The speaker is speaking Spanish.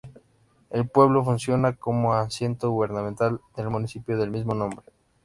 El pueblo funciona como asiento gubernamental del municipio del mismo nombre.